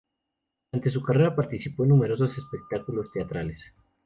Durante su carrera participó en numerosos espectáculos teatrales.